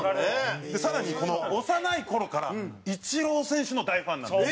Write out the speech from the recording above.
更に幼い頃からイチロー選手の大ファンなんです。